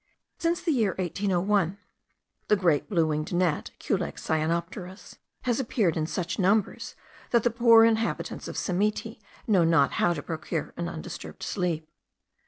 Since the year 1801, the great blue winged gnat (Culex cyanopterus) has appeared in such numbers, that the poor inhabitants of Simiti know not how to procure an undisturbed sleep.